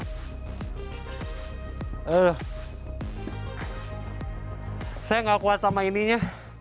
saya nggak kuat sama ininya